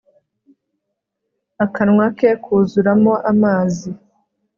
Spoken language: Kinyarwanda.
Akanwa ke kuzuramo amazi